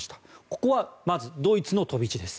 ここはまずドイツの飛び地です。